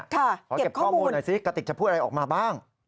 ขอเก็บข้อมูลหน่อยสิกระติกจะพูดอะไรออกมาบ้าง